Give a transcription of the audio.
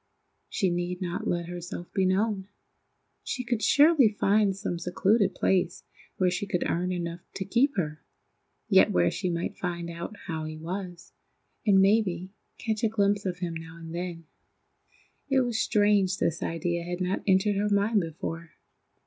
She need not let herself be known. She could surely find some secluded place where she could earn enough to keep her, yet where she might find out how he was, and maybe catch a glimpse of him now and then! It was strange this idea had not entered her mind before.